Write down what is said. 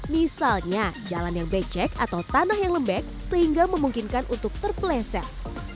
misalnya jalan yang becek atau tanah yang lembek sehingga memungkinkan untuk terpeleset